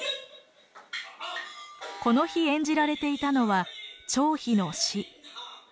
この日演じられていたのは「張飛の死」。